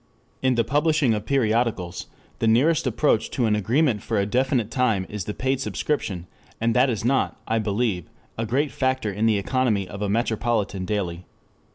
In the publishing of periodicals the nearest approach to an agreement for a definite time is the paid subscription, and that is not, I believe, a great factor in the economy of a metropolitan daily.